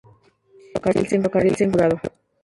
Ese ferrocarril se encuentra clausurado.